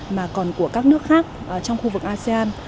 mà còn của các nước khác trong khu vực asean